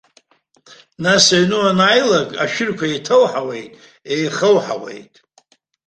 Нас аҩны уанааилак, ашәырқәа еиҭауҳауеит, еихауҳауеит.